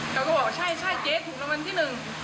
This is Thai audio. เขาก็บอกใช่ใช่เจ๊ถูกรางวัลที่หนึ่ง